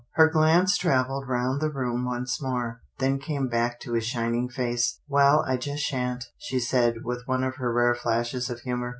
Her glance travelled round the room once more, then came back to his shining face. Well I just shan't," she said, with one of her rare flashes of humour.